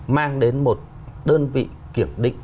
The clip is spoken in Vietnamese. mang đến một đơn vị kiểm định